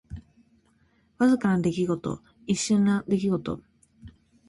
わずかな時間。一瞬の出来事。「騏驥」は一日で千里を走りきるといわれる駿馬のこと。「過隙」は戸の隙間の向こう側をかけぬける意。